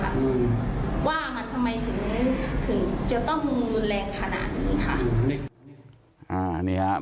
ว่ามันทำไมถึงถึงเจอป้องมือแรงขนาดนี้ค่ะนี่อ่านี่ฮะ